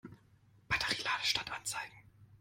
Batterie-Ladestand anzeigen.